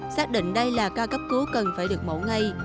xác định đây là ca cấp cứu cần phải được mẫu ngay